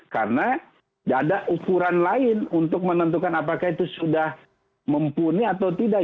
karena ada ukuran lain untuk menentukan apakah itu sudah mumpuni atau tidak